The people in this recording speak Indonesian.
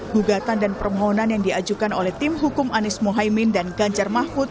gugatan dan permohonan yang diajukan oleh tim hukum anies mohaimin dan ganjar mahfud